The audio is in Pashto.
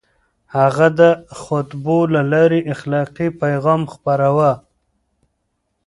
هغه د خطبو له لارې اخلاقي پيغام خپراوه.